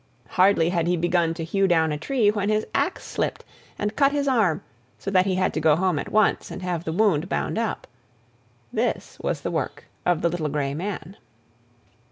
Hardly had he begun to hew down a tree, when his axe slipped and cut his arm, so that he had to go home at once and have the wound bound up. This was the work of the little grey man.